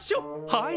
はい！